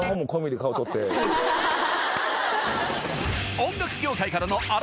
音楽業界からのあら−